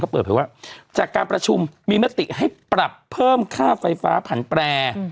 เปิดเผยว่าจากการประชุมมีมติให้ปรับเพิ่มค่าไฟฟ้าผันแปร